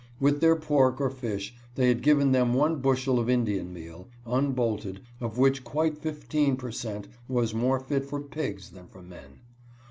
With their pork or fish, they had given them one bushel of Indian meal, unbolted, of which quite fifteen per cent, was more fit for pigs than for men.